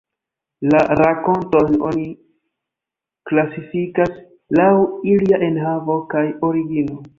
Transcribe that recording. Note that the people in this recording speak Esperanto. La rakontojn oni klasifikas laŭ ilia enhavo kaj origino.